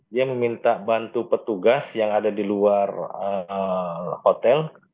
dia meminta bantu petugas yang ada di luar hotel